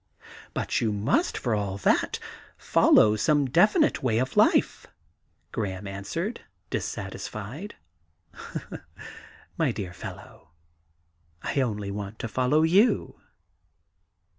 'But you must, for all that, follow some definite way of life,' Graham answered, dissatisfied. ' My dear fellow, I only want to follow you.'